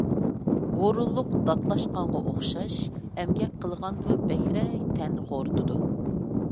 ھۇرۇنلۇق داتلاشقانغا ئوخشاش، ئەمگەك قىلغاندىنمۇ بەكرەك تەننى خورىتىدۇ.